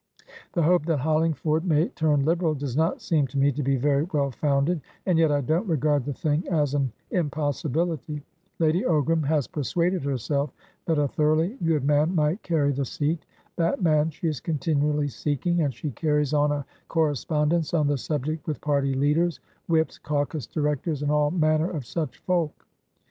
The hope that Hollingford may turn Liberal does not seem to me to be very well founded, and yet I don't regard the thing as an impossibility. Lady Ogram has persuaded herself that a thoroughly good man might carry the seat. That man she is continually seeking, and she carries on a correspondence on the subject with party leaders, whips, caucus directors, and all manner of such folk.